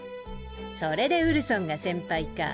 それでウルソンが先輩か。